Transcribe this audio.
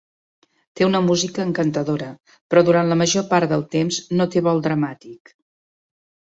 Té una música encantadora, però durant la major part del temps no té vol dramàtic.